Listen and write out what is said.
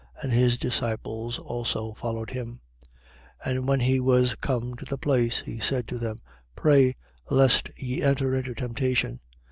And his disciples also followed him. 22:40. And when he was come to the place, he said to them: Pray, lest ye enter into temptation.